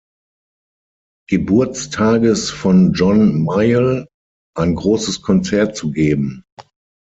Geburtstages von John Mayall ein großes Konzert zu geben.